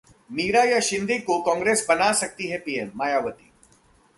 मीरा या शिंदे को कांग्रेस बना सकती है पीएम: मायावती